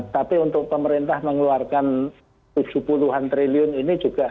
tapi untuk pemerintah mengeluarkan tujuh puluh an triliun ini juga